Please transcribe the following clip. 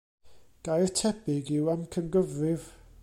Gair tebyg yw amcangyfrif.